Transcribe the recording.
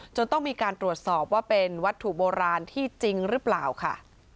ต้องมีการตรวจสอบว่าเป็นวัตถุโบราณที่จริงหรือเปล่าค่ะ